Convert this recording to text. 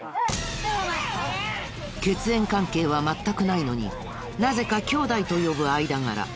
血縁関係は全くないのになぜか「兄弟」と呼ぶ間柄。